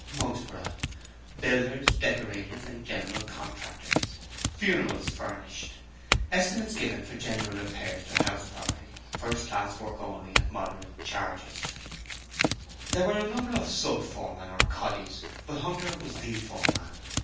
MUGSBOROUGH Builders, Decorators, and General Contractors FUNERALS FURNISHED Estimates given for General Repairs to House Property First class Work only at Moderate Charges There were a number of sub foremen or 'coddies', but Hunter was THE foreman.